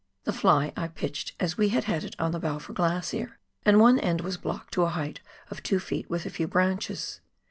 The fly I pitched as we had had it on the Balfour Glacier, and one end was blocked to a height of two feet with a few branches.